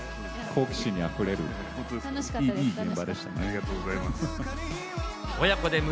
好奇心にあふれるいい現場でした楽しかったです。